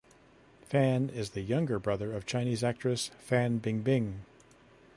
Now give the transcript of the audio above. Fan is the younger brother of Chinese actress Fan Bingbing.